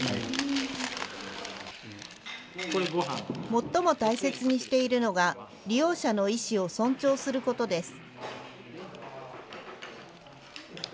最も大切にしているのが利用者の意思を尊重することです。